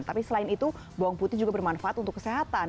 tapi selain itu bawang putih juga bermanfaat untuk kesehatan